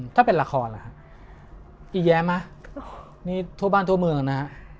ถ้าเป็นละครอ่ะอิแยมมั้ยนี่ทั่วบ้านทั่วเมืองนะครับ